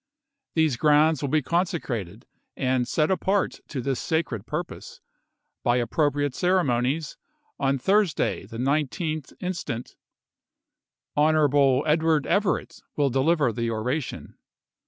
These grounds will be consecrated and set apart to this sacred purpose, by appropriate ceremonies, on Thursday, the 19th instant. Hon. Edward Everett will deliver the oration.